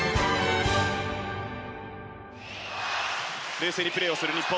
冷静にプレーをする日本。